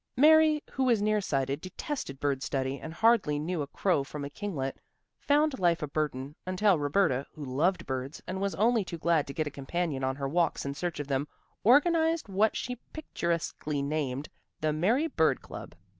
Mary, who was near sighted, detested bird study, and hardly knew a crow from a kinglet, found life a burden, until Roberta, who loved birds and was only too glad to get a companion on her walks in search of them, organized what she picturesquely named "the Mary bird club."